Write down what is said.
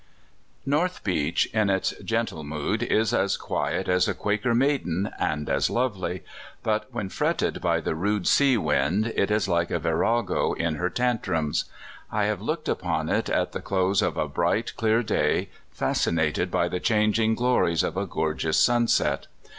NORTH BEACH, in its gentle mood, is as quiet as a Quaker maiden, and as lovely; but when fretted by the rude sea wind it is like a virago in her tantrums. I have looked upon it at the close of a bright, clear day, fascinated by the changing glories of a gorgeous sunset.